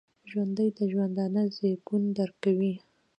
ژوندي د ژوندانه زیږون درک کوي